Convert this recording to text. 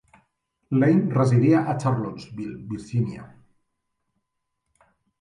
Lane residia a Charlottesville, Virginia.